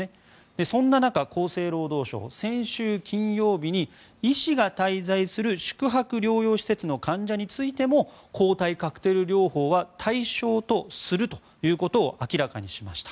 そんな中、厚生労働省は先週金曜日に医師が滞在する宿泊療養施設の患者についても抗体カクテル療法は対象とするということを明らかにしました。